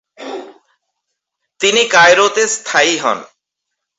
তিনি কায়রোতে স্থায়ী হন।